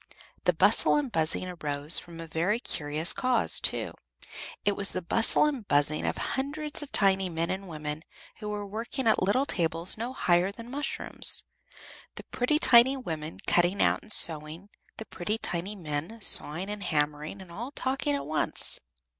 The bustle and buzzing arose from a very curious cause, too, it was the bustle and buzz of hundreds of tiny men and women who were working at little tables no higher than mushrooms, the pretty tiny women cutting out and sewing, the pretty tiny men sawing and hammering and all talking at once.